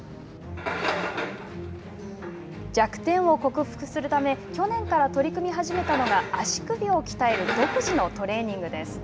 弱点を克服するため去年から取り組み始めたのが足首を鍛える独自のトレーニングです。